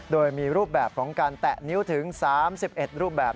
โดยมีรูปแบบของการแตะนิ้วถึง๓๑รูปแบบ